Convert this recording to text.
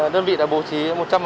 đơn vị đã bố trí một trăm linh